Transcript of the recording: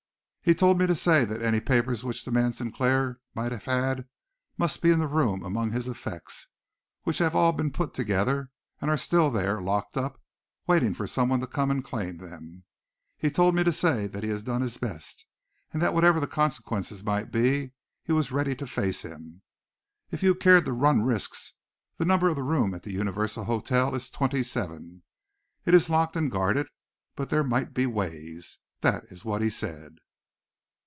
"He told me to say that any papers which the man Sinclair might have had must be in the room among his effects, which have all been put together, and are still there, locked up, waiting for someone to come and claim them. He told me to say that he had done his best, and that whatever the consequences might be he was ready to face them. If you cared to run risks, the number of the room at the Universal Hotel is 27. It is locked and guarded, but there might be ways. That is what he said."